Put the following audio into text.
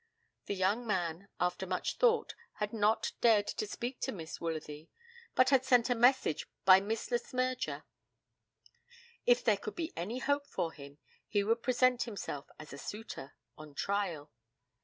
The young man, after much thought, had not dared to speak to Miss Woolsworthy, but he had sent a message by Miss Le Smyrger. If there could be any hope for him, he would present himself as a suitor on trial.